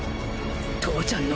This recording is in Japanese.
父ちゃんの仇！